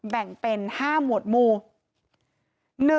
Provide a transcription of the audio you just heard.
แบ่งเป็น๕หมวดหมู่